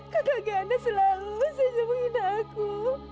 kakak giana selalu saja menghina aku